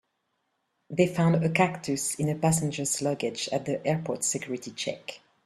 They found a cactus in a passenger's luggage at the airport's security check.